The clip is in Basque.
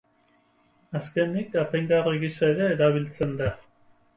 Azkenik, apaingarri gisa ere erabiltzen da.